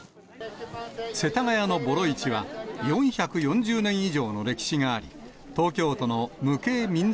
世田谷のボロ市は、４４０年以上の歴史があり、東京都の無形民俗